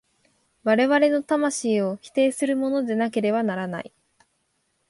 我々の魂を否定するものでなければならない。